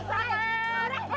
ampun ampun ampun